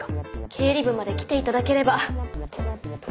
経理部まで来て頂ければ。